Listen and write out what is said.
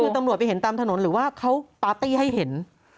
คือตำรวจไปเห็นตามถนนหรือว่าเขาปาร์ตี้ให้เห็น